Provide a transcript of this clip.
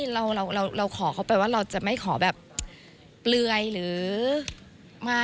เราขอเขาไปว่าเราจะไม่ขอแบบเปลือยหรือมา